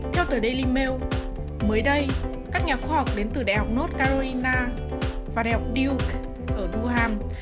theo tờ daily mail mới đây các nhà khoa học đến từ đại học north carolina và đại học duke ở durham